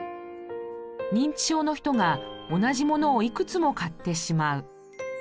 認知症の人が同じ物をいくつも買ってしまう。